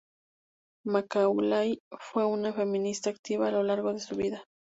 Macaulay fue una feminista activa a lo largo de su vida.